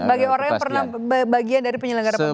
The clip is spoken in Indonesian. bagi orang yang pernah bagian dari penyelenggara pemilu